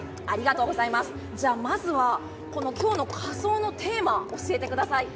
じゃ、まずは今日の仮装のテーマ、教えてください。